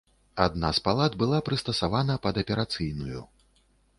Адна з палат была прыстасавана пад аперацыйную.